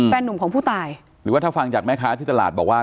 หนุ่มของผู้ตายหรือว่าถ้าฟังจากแม่ค้าที่ตลาดบอกว่า